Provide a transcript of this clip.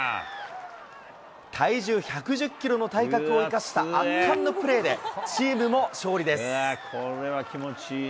体重１１０キロの体格を生かした圧巻のプレーで、チームも勝利です。